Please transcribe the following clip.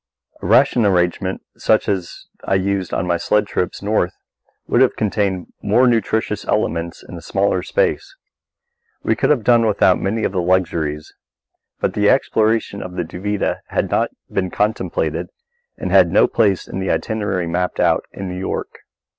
A ration arrangement such as I used on my sledge trips North would have contained more nutritious elements in a smaller space. We could have done without many of the luxuries. But the exploration of the Duvida had not been contemplated and had no place in the itinerary mapped out in New York.